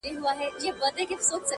• د پړانګانو په کوروکي -